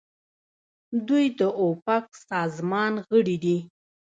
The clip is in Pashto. دوی د اوپک سازمان غړي دي.